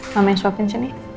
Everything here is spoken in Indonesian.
mama yang suapin sini